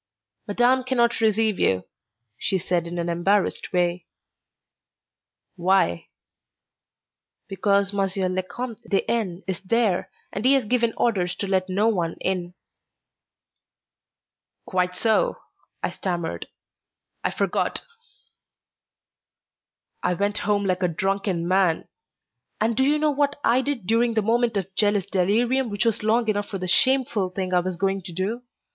"Madame can not receive you," she said in an embarrassed way. "Why?" "Because M. le Comte de N. is there, and he has given orders to let no one in." "Quite so," I stammered; "I forgot." I went home like a drunken man, and do you know what I did during the moment of jealous delirium which was long enough for the shameful thing I was going to do?